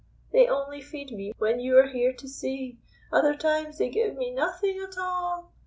"They only feed me when you are here to see! Other times they give me nothing at all!"